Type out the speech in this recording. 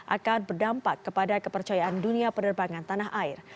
akan berdampak kepada kepercayaan dunia penerbangan tanah air